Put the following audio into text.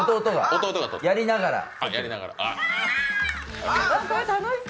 弟がやりながら。